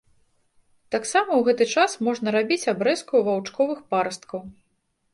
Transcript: Таксама ў гэты час можна рабіць абрэзку ваўчковых парасткаў.